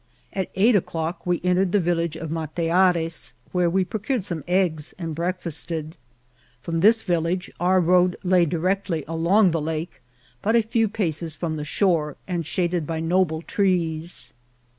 At eight o'clock we entered the village of Mateares, where we procured some eggs and breakfasted. From this village our road lay directly along the lake, but a few paces from the shore, and shaded by noble trees.